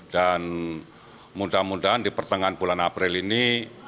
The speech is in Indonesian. dan mudah mudahan di pertengahan bulan april ini